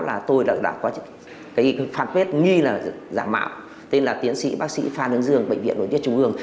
là tôi đã có cái fanpage nghi là giả mạo tên là tiến sĩ bác sĩ phan ứng dương bệnh viện nội tiết trung ương